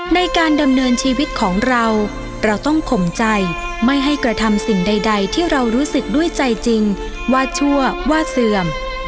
ในการดำเนินชีวิตของเราเราต้องข่มใจไม่ให้กระทำสิ่งใดที่เรารู้สึกด้วยใจจริงว่าชั่วว่าเสื่อม